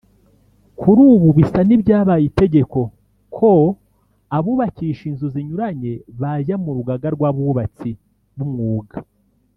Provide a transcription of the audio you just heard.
Kuri ubu bisa n’ibyabaye itegeko ko abubakisha inzu zinyuranye bajya mu Rugaga rw’Abubatsi b’Umwuga